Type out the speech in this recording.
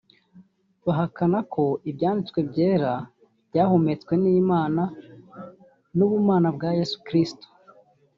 Bahakana ko Ibyanditswe Byera byahumetswe n’Imana n’ubumana bwa Yesu Kristo